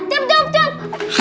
jangan jangan jangan